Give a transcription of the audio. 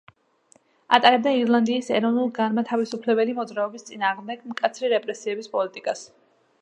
ატარებდა ირლანდიის ეროვნულ-განმათავისუფლებელი მოძრაობის წინააღმდეგ მკაცრი რეპრესიების პოლიტიკას.